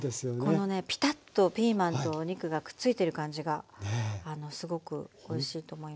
このねピタッとピーマンとお肉がくっついてる感じがあのすごくおいしいと思います。